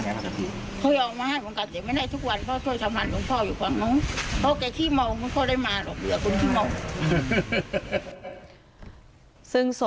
ยังอยู่ที่โรงพยาบาลละยอง